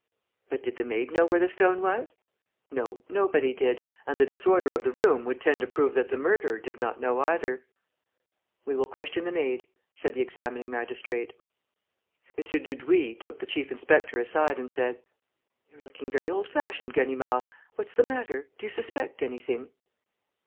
"But did the maid know where the stone was?" "No, nobody did. And the disorder of the room would tend to prove that the murderer did not know either." "We will question the maid," said the examining magistrate. M. Dudouis took the chief inspector aside and said: "You're looking very old fashioned, Ganimard. What's the matter? Do you suspect anything?"